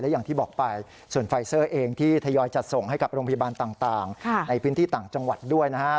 อย่างที่บอกไปส่วนไฟเซอร์เองที่ทยอยจัดส่งให้กับโรงพยาบาลต่างในพื้นที่ต่างจังหวัดด้วยนะฮะ